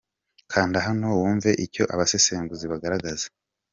Kanda hano wumve icyo abasesenguzi bagaragaza.